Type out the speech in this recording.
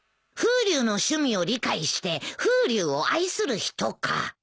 風流の趣味を理解して風流を愛する人」か。